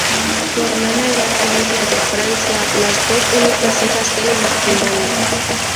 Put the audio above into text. Su hermana era Claudia de Francia, las dos únicas hijas del matrimonio.